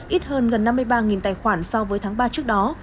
ít hơn gần năm mươi ba tài khoản so với tháng ba trước đó